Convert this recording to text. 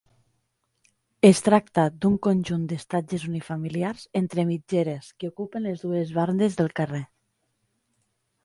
Es tracta d'un conjunt d'estatges unifamiliars entre mitgeres que ocupen les dues bandes del carrer.